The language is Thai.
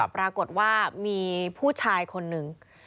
ปรากฏว่ามีผู้ชายคนหนึ่ง